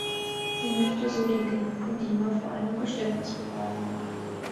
Sie möchte so den geliebten Dima vor einem Geständnis bewahren.